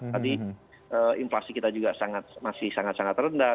tadi inflasi kita juga masih sangat sangat rendah